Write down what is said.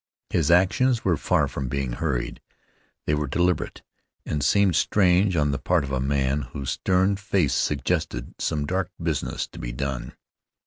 His actions were far from being hurried. They were deliberate, and seemed strange on the part of a man whose stern face suggested some dark business to be done.